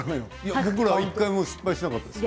僕ら１回も失敗しなかった。